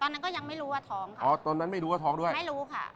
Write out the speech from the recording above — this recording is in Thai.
ตอนนั้นก็ยังไม่รู้ว่าท้องค่ะอ๋อตอนนั้นไม่รู้ว่าท้องด้วยไม่รู้ค่ะ